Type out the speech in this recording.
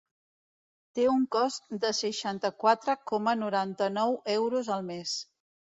Té un cost de seixanta-quatre coma noranta-nou euros al mes.